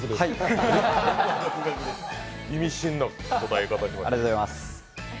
意味深な答え方しましたね。